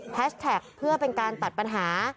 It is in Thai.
แท็กเพื่อเป็นการตัดปัญหา